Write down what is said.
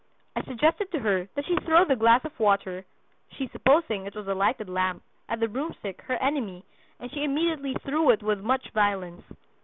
I suggested to her that she throw the glass of water (she supposing it was a lighted lamp) at the broomstick, her enemy, and she immediately threw it with much violence.